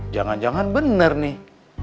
jangan jangan bener nih